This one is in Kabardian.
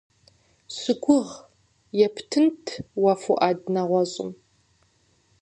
Щыгугъ, ептынт уэ Фуӏад нэгъуэщӏым.